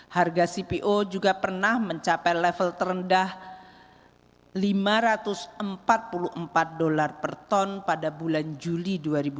harga cpo juga pernah mencapai level terendah lima ratus empat puluh empat dolar per ton pada bulan juli dua ribu dua puluh